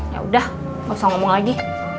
yaudah gak usah ngomong lagi